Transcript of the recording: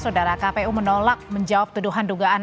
saudara kpu menolak menjawab tuduhan dugaan